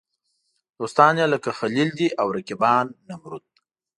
دوستان یې لکه خلیل دي او رقیبان نمرود.